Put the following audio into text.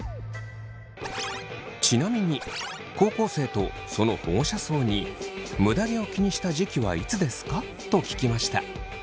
ちなみに高校生とその保護者層に「むだ毛を気にした時期はいつですか？」と聞きました。